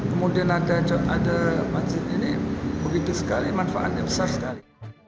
kemudian ada masjid ini begitu sekali manfaatnya besar sekali